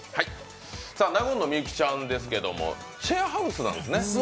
納言の幸ちゃんですけどシェアハウスなんですね。